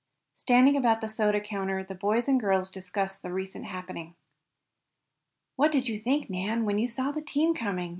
Standing about the soda counter the boys and girls discussed the recent happening. "What did you think, Nan, when you saw the team coming?"